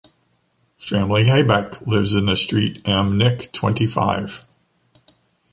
Family Habeck lives in the street ‘Am Knick twenty-five’.